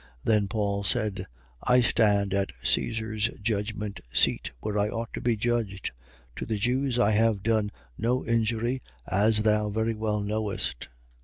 25:10. Then Paul said: I stand at Caesar's judgment seat, where I ought to be judged. To the Jews I have done no injury, as thou very well knowest.